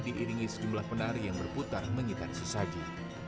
diiringi sejumlah penari yang berputar mengitar sesaji